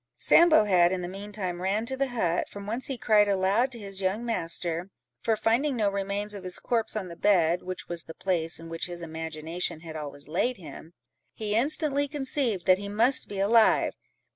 Sambo had, in the mean time, ran to the hut, from whence he cried aloud to his young master; for finding no remains of his corpse on the bed (which was the place in which his imagination had always laid him), he instantly conceived that he must be alive.